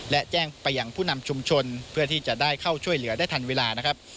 และแจ้งไปอย่างผู้นำชุมชนเพื่อที่จะได้เข้าช่วยเหลือได้ทันเวลานะครับ